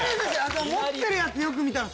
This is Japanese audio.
持ってるやつよく見たら。